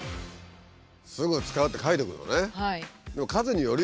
「すぐ使う」って書いておくのね。